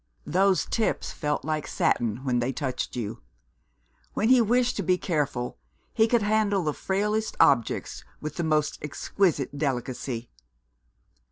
Those tips felt like satin when they touched you. When he wished to be careful, he could handle the frailest objects with the most exquisite delicacy.